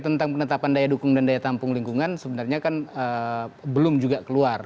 tentang penetapan daya dukung dan daya tampung lingkungan sebenarnya kan belum juga keluar